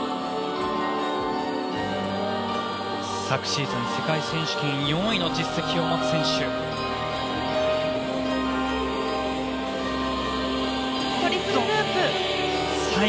昨シーズン世界選手権４位の実績を持つ選手です。